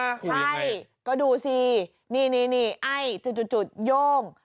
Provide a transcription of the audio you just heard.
คุยยังไงใช่ก็ดูสินี่ไอ้จุดโย่ง